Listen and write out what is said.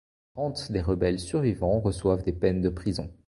Quarante des rebelles survivants reçoivent des peines de prison.